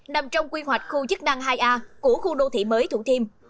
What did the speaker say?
nằm trong quy hoạch khu chức năng hai a của khu đô thị mới thủ thiêm